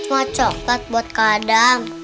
mau coklat buat kak adam